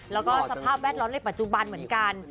แล้วก็สภาพแวดล้อมในปัจจุบันเหมือนกัน